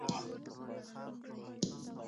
ازادي راډیو د اداري فساد اړوند شکایتونه راپور کړي.